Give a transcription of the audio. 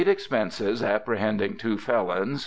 Expences apprehending two Felons....